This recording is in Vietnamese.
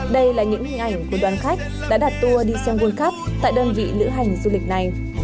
đây là những hình ảnh của đoàn khách đã đặt tour đi sengworld cup tại đơn vị lữ hành du lịch này